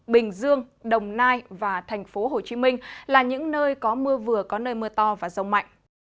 bình dương đồng nai và tp hcm là những nơi có mưa vừa có nơi mưa to và rông mạnh